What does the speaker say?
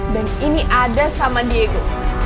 dan ini ada sama diego